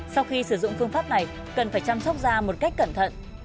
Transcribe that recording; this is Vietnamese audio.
sau khi sử dụng phương pháp này cần phải chăm sóc da một cách cẩn thận